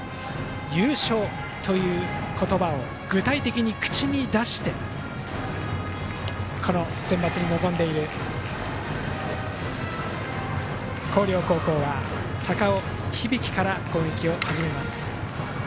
優勝という言葉を具体的に口に出してセンバツに臨んでいる広陵高校は高尾響からの攻撃です。